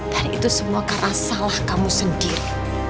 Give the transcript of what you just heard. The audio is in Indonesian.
dan itu semua karena salah kamu sendiri